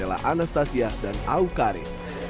anastasia dan awkari